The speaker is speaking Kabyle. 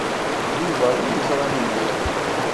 D Yuba i yeẓṛan mliḥ.